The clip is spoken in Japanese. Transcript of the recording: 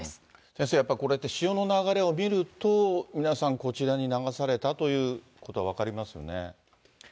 先生、やっぱこれって、潮の流れを見ると、皆さん、こちらに流されたということは分かりますよね。